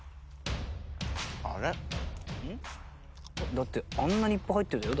だってあんなにいっぱい入ってるでしょ？